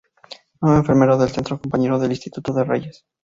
Nuevo enfermero del centro, compañero de instituto de Reyes.